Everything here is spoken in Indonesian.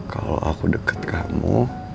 kalo aku deket kamu